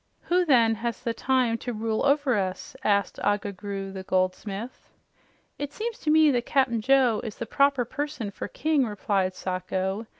"Who, then, has the time to rule over us?" asked Agga Groo, the goldsmith. "It seems to me that Cap'n Joe is the proper person for king," replied Sacho.